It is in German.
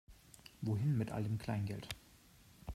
Wohin mit all dem Kleingeld?